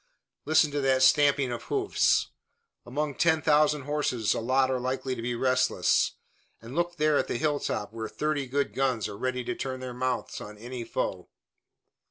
Listen to that stamping of hoofs! Among ten thousand horses a lot are likely to be restless; and look there at the hilltop where thirty good guns are ready to turn their mouths on any foe."